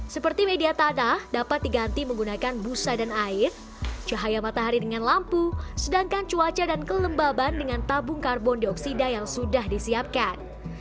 seperti media tanah dapat diganti menggunakan busa dan air cahaya matahari dengan lampu sedangkan cuaca dan kelembaban dengan tabung karbon dioksida yang sudah disiapkan